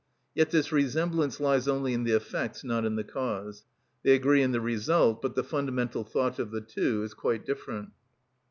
Yet this resemblance lies only in the effects, not in the cause. They agree in the result, but the fundamental thought of the two is quite different.